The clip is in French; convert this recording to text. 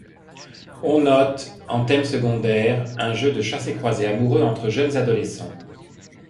On note, en thème secondaire, un jeu de chassé-croisé amoureux entre jeunes adolescents.